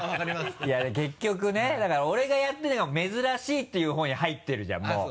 いや結局ねだから俺がやってるのが珍しいっていう方に入ってるじゃんもう。